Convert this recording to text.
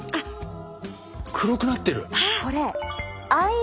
黒くなってる！